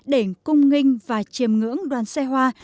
để cung nghinh và chiềm ngưỡng đoàn xe hoa